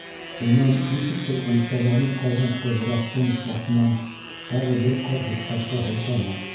Унан нисектер уйсанланып ҡалған Ҡыҙырастың башынан тағы бер ҡат дуҫтарса һыйпаны: